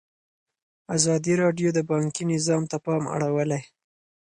ازادي راډیو د بانکي نظام ته پام اړولی.